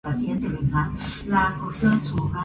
Es el cuarto juego de la serie "Killzone".